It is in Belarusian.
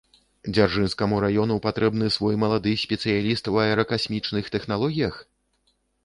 Дзяржынскаму раёну патрэбны свой малады спецыяліст у аэракасмічных тэхналогіях?